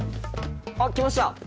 あっ来ました。